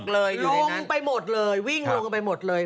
๖เลยอยู่ในนั้นวิ่งลงไปหมดเลย